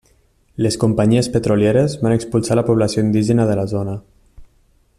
Les companyies petrolieres van expulsar a la població indígena de la zona.